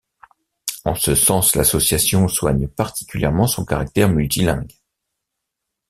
En ce sens, l’association soigne particulièrement son caractère multilingue.